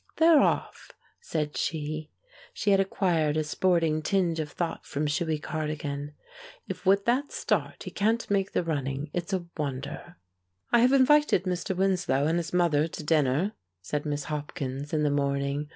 "They're off," said she she had acquired a sporting tinge of thought from Shuey Cardigan. "If with that start he can't make the running, it's a wonder." "I have invited Mr. Winslow and his mother to dinner," said Miss Hopkins, in the morning.